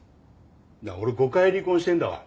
俺５回離婚してるんだわ。